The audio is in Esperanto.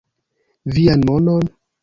Vian monon?